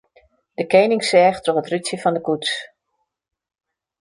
De kening seach troch it rútsje fan de koets.